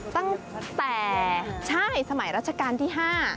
ตั้งแต่ใช่สมัยรัชกาลที่๕